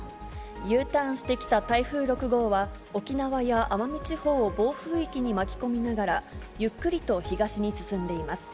Ｕターンしてきた台風６号は、沖縄や奄美地方を暴風域に巻き込みながら、ゆっくりと東に進んでいます。